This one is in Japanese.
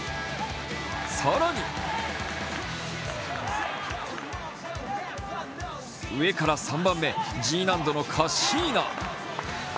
更に、上から３番目Ｇ難度のカッシーナ。